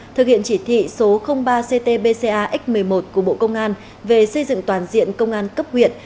thực hiện chỉ thị số ba ctbca x một mươi một của bộ công an về xây dựng toàn diện công an cấp huyện